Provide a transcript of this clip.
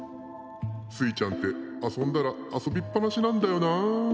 「スイちゃんってあそんだらあそびっぱなしなんだよなあ」。